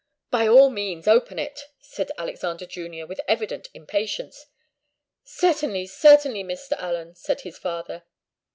"By all means open it," said Alexander Junior, with evident impatience. "Certainly, certainly, Mr. Allen," said his father.